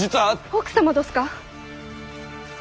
奥様どすか？